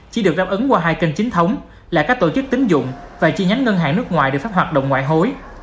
chỉ được đáp ứng qua hai kênh chính thống là các tổ chức tính dụng và chi nhánh ngân hàng nước ngoài được phép hoạt động ngoại hối